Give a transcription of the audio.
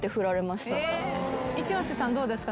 一ノ瀬さんどうですか？